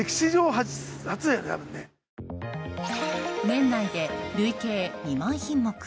年内で累計２万品目。